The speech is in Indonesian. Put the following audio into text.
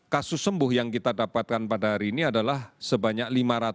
kami telah melaksanakan pemeriksaan spesimen pada hari ini sebanyak dua puluh tujuh ratus tujuh belas